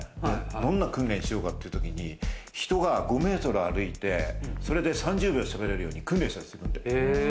どんな訓練しようかってときに人が５ｍ歩いて、それで３０秒、喋れるように訓練したんですよ。